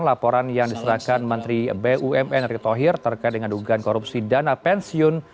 laporan yang diserahkan menteri bumn erick thohir terkait dengan dugaan korupsi dana pensiun